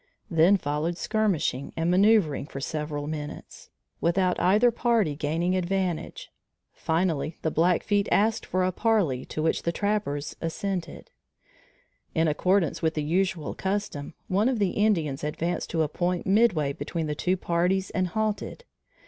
Then followed skirmishing and manoeuvering for several minutes, without either party gaining advantage. Finally the Blackfeet asked for a parley to which the trappers assented. In accordance with the usual custom, one of the Indians advanced to a point midway between the two parties and halted.